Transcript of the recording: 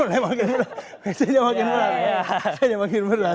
biasanya makin berat